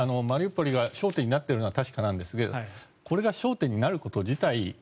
マリウポリが焦点になっているのは確かなんですがこれが焦点になること自体